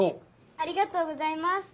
ありがとうございます。